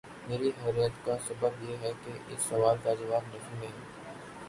میری حیرت کا سبب یہ ہے کہ اس سوال کا جواب نفی میں ہے۔